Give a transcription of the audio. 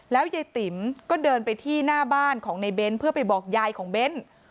ยายติ๋มก็เดินไปที่หน้าบ้านของในเบ้นเพื่อไปบอกยายของเบ้น